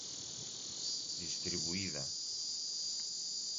Distribuída